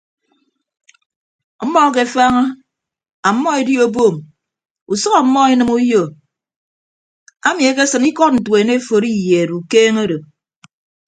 Ọmmọ akefaaña ọmmọ edio eboom usʌk ọmmọ enịme uyo ami ekesịn ikọd ntuen eforo iyeed ukeeñe odo.